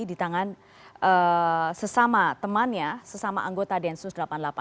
di tangan sesama temannya sesama anggota densus delapan puluh delapan